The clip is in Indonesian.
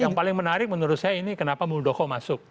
yang paling menarik menurut saya ini kenapa muldoko masuk